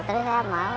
terus saya mau